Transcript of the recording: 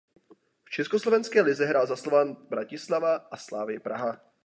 V československé lize hrál za Slovan Bratislava a Slavii Praha.